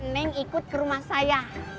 neng ikut ke rumah saya